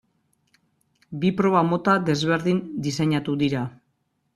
Bi proba mota desberdin diseinatu dira.